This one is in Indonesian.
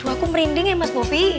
aku merinding ya mas movie